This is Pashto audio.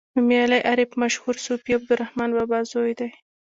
نومیالی عارف مشهور صوفي عبدالرحمان بابا زوی دی.